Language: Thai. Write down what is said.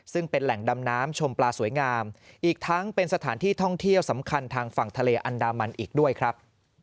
ซึ่งเป็นแหล่งดำน้ำชมปลาสวยงามอีกทั้งเป็นสถานที่ท่องเที่ยวสำคัญทางฝั่งทะเลอันดามันอีกด้วยครับ